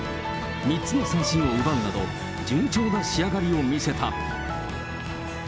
３つの三振を奪うなど、順調な仕上がりを見せた。